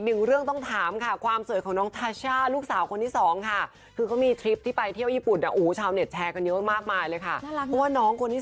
ดิว่ามีทุกสีนนั้นอย่างนี้